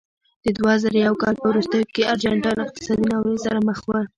د دوه زره یو کال په وروستیو کې ارجنټاین اقتصادي ناورین سره مخ و.